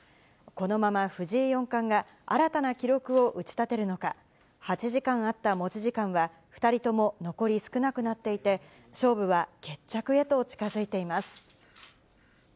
このまま藤井四冠が、新たな記録を打ち立てるのか、８時間あった持ち時間は、２人とも残り少なくなっていて、勝負は決着へと近づいています。